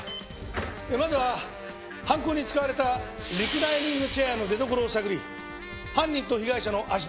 まずは犯行に使われたリクライニングチェアの出どころを探り犯人と被害者の足取りを追う。